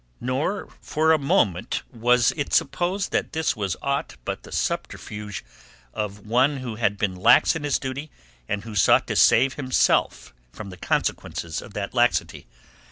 Not for a moment was it supposed that this was aught but the subterfuge of one who had been lax in his duty and who sought to save himself from the consequences of that laxity.